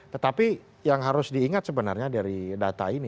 tetapi yang harus diingat sebenarnya dari data ini